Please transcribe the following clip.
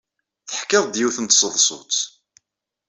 Teḥkiḍ-d yiwet n tseḍsut.